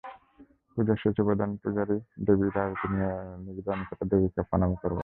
পূজার শেষে প্রধান পূজারি দেবীর আরতি নিবেদন করে দেবীকে প্রণাম করবেন।